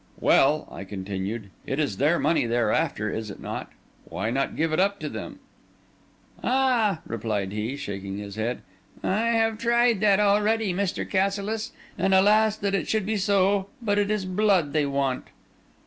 "Well," I continued, "it is their money they are after, is it not? Why not give it up to them?" "Ah!" replied he, shaking his head, "I have tried that already, Mr. Cassilis; and alas that it should be so! but it is blood they want."